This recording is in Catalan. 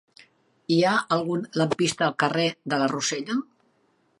Hi ha algun lampista al carrer de la Rosella?